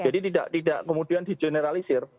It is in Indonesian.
jadi tidak kemudian di generalisir